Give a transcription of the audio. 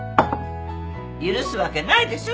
許すわけないでしょ